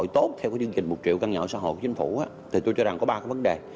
tôi cho rằng có ba vấn đề